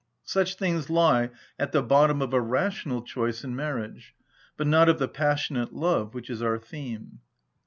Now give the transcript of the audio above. Such things lie at the bottom of a rational choice in marriage, but not of the passionate love, which is our theme.